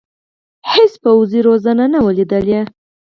هېڅ پوځي روزنه نه وه لیدلې.